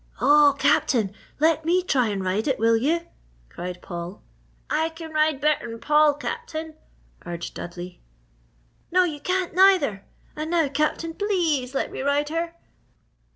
"Oh, Captain! let me try and ride it, will you?" cried Paul. "I can ride better'n Paul, Captain!" urged Dudley. "No you can't, neither! Ah now, Captain, please let me ride her?"